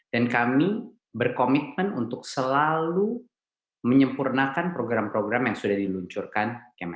dan kami berkomitmen untuk selalu menyempurnakan program program yang sudah diluncurkan